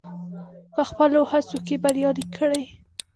په خپلو هڅو کې بريالی کړي.